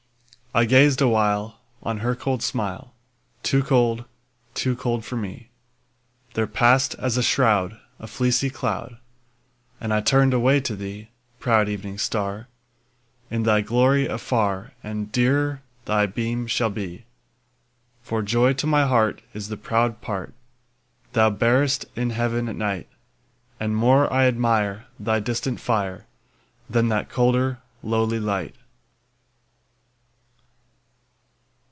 I gazed awhile On her cold smile; Too cold—too cold for me— There passed, as a shroud, A fleecy cloud, And I turned away to thee, Proud Evening Star, In thy glory afar And dearer thy beam shall be; For joy to my heart Is the proud part Thou bearest in Heaven at night, And more I admire Thy distant fire, Than that colder, lowly light.